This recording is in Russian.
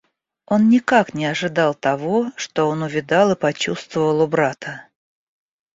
Он никак не ожидал того, что он увидал и почувствовал у брата.